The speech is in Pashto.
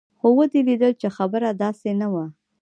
خو ودې ليدل چې خبره داسې نه وه.